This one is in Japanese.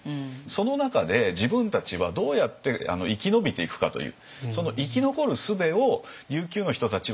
その中で自分たちはどうやって生き延びていくかという。